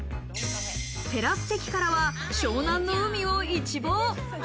テラス席からは湘南の海を一望。